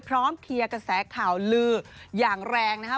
พร้อมเทียกระแสข่าวลืออย่างแรงนะฮะ